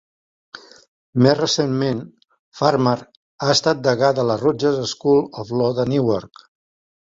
Més recentment, Farmer ha estat degà de la Rutgers School of Law de Newark.